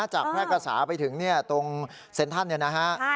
จากแพร่กษาไปถึงเนี่ยตรงเซ็นทันเนี่ยนะฮะ